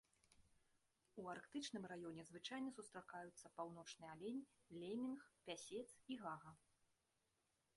У арктычным раёне звычайна сустракаюцца паўночны алень, лемінг, пясец і гага.